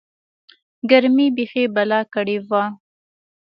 گرمۍ بيخي بلا کړې وه.